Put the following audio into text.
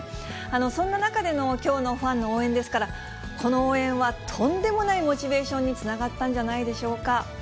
そんな中でのきょうのファンの応援ですから、この応援はとんでもないモチベーションにつながったんじゃないでしょうか。